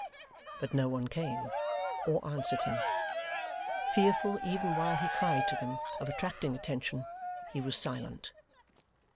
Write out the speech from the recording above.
But no one came, or answered him. Fearful, even while he cried to them, of attracting attention, he was silent.